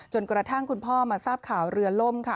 กระทั่งคุณพ่อมาทราบข่าวเรือล่มค่ะ